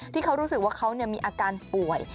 ที่เขารู้สึกว่าเขามีอาการป่วย